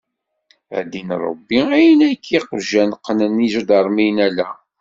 A ddin Ṛebbi ayen akka iqjan qnen iǧadarmiyen ala.